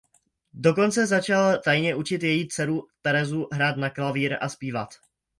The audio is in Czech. Dokonce začal tajně učit její dceru Terezu hrát na klavír a zpívat.